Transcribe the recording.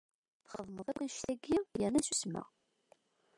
Txedmeḍ akk annect-agi, yerna ssusmeɣ.